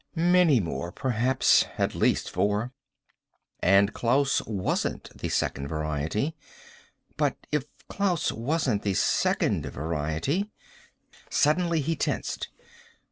Many more, perhaps. At least four. And Klaus wasn't the Second Variety. But if Klaus wasn't the Second Variety Suddenly he tensed.